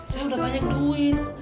saya udah banyak duit